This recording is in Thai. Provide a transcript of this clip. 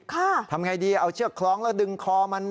ทำไงดีเอาเชือกคล้องแล้วดึงคอมัน